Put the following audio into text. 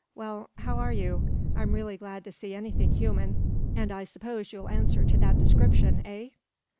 Well, how are you? I'm really glad to see anything human, and I suppose you'll answer to that description, eh?"